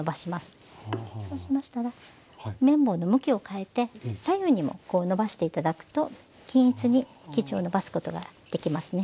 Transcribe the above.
そうしましたら麺棒の向きを変えて左右にもこうのばして頂くと均一に生地をのばすことができますね。